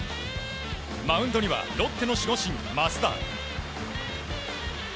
マウンドにはロッテの守護神、益田。